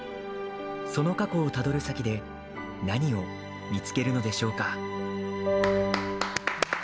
その過去をたどる先で何を見つけるのでしょうか。